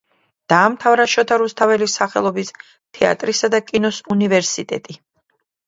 დაამთავრა შოთა რუსთაველის სახელობის თეატრისა და კინოს უნივერსიტეტი.